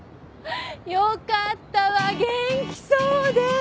よかったわ元気そうで！